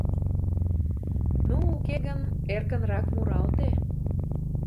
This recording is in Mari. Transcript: Ну, уке гын... эркынрак муралте...